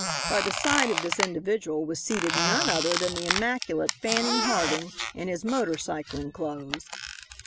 By the side of this individual was seated none other than the immaculate Fanning Harding, in his motor cycling clothes.